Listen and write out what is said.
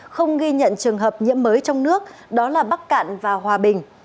không ghi nhận trường hợp nhiễm mới trong nước đó là bắc cạn và hòa bình